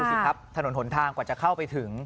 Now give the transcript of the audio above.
สิครับถนนหนทางกว่าจะเข้าไปถึง